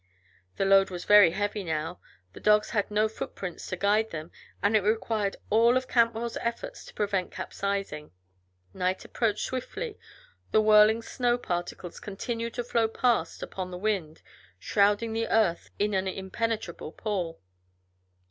The load was very heavy now, the dogs had no footprints to guide them, and it required all of Cantwell's efforts to prevent capsizing. Night approached swiftly, the whirling snow particles continued to flow past upon the wind, shrouding the earth in an impenetrable pall.